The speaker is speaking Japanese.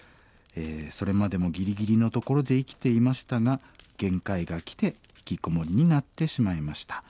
それまでもギリギリのところで生きていましたが限界が来てひきこもりになってしまいました。